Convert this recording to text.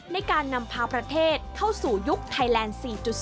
ในการนำพาประเทศเข้าสู่ยุคไทยแลนด์๔๐